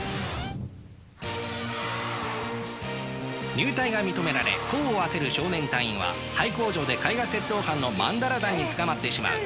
入隊が認められ功を焦る少年隊員は廃工場で絵画窃盗犯のマンダラ団に捕まってしまう。